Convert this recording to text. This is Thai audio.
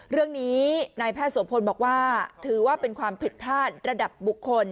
เรื่องนี้นายแพทย์โสพลบอกว่าถือว่าเป็นความผิดพลาดระดับบุคคล